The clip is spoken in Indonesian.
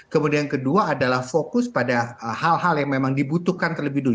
kemudian kedua adalah fokus pada hal hal yang memang dibutuhkan terlebih dulu